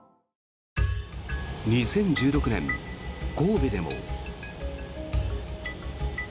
２０１６年、神戸でも。